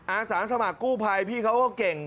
อาสาสมัครกู้ภัยพี่เขาก็เก่ง